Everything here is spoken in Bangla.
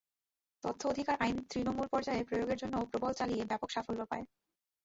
তথ্য অধিকার আইন তৃণমূল পর্যায়ে প্রয়োগের জন্যও প্রবল চালিয়ে ব্যাপক সাফল্য পায়।